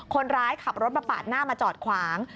คนร้ายขับรถมาปาดหน้ามาจอดขวาง